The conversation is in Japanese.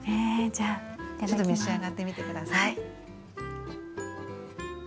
ちょっと召し上がってみて下さい。